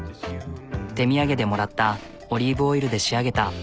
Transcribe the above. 手土産でもらったオリーブオイルで仕上げた。